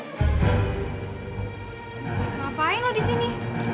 ngapain lo disini